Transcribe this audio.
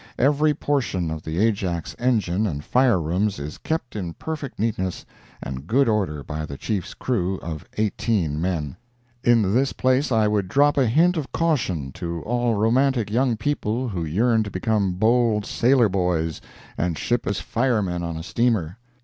Every portion of the Ajax's engine and fire rooms is kept in perfect neatness and good order by the Chief's crew of 18 men. In this place I would drop a hint of caution to all romantic young people who yearn to become bold sailor boys and ship as firemen on a steamer.